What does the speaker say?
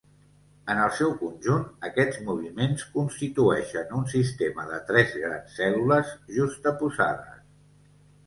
En el seu conjunt aquests moviments constitueixen un sistema de tres grans cèl·lules juxtaposades.